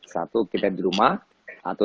satu kita di rumah atau